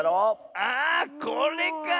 あこれか！